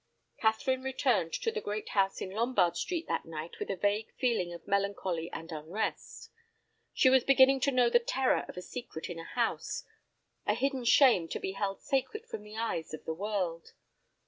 Catherine returned to the great house in Lombard Street that night with a vague feeling of melancholy and unrest. She was beginning to know the terror of a secret in a house, a hidden shame to be held sacred from the eyes of the world.